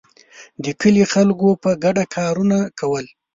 د کلي خلکو په ګډه کارونه کول.